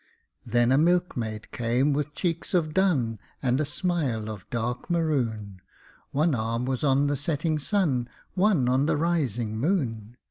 Then a milkmaid came with cheeks of dun And a smile of dark maroon, One arm was on the setting sun, One on the rising moon.